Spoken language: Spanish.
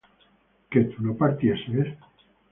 ¿que tú no partieses?